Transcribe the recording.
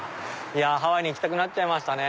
いやハワイに行きたくなっちゃいましたね。